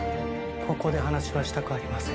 ここで話はしたくありません